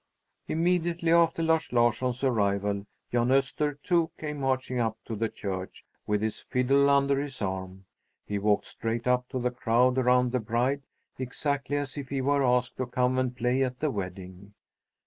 Immediately after Lars Larsson's arrival, Jan Öster, too, came marching up to the church, with his fiddle under his arm. He walked straight up to the crowd around the bride, exactly as if he were asked to come and play at the wedding.